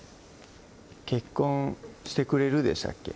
「結婚してくれる？」でしたっけ？